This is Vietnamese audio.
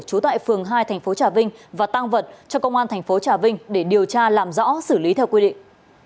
trú tại phường hai tp trà vinh và tăng vật cho công an tp trà vinh để điều tra làm rõ xử lý theo quy định